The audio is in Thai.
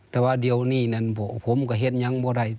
แต่ว่าเดี๋ยวนี้นั้นผมก็เห็นยังเมื่อไหร่